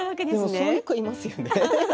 でもそういう子いますよね。